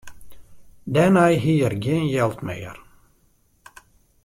Dêrnei hie er gjin jild mear.